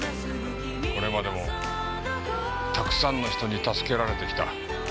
これまでもたくさんの人に助けられてきた。